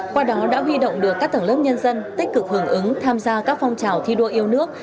qua đó đã huy động được các tầng lớp nhân dân tích cực hưởng ứng tham gia các phong trào thi đua yêu nước